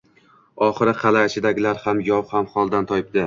Oxiri qal’a ichidagilar ham, yov ham holdan toyibdi.